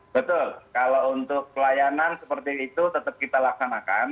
betul kalau untuk pelayanan seperti itu tetap kita laksanakan